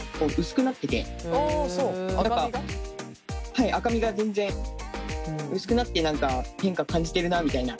はい赤みが全然薄くなって何か変化感じてるなみたいな。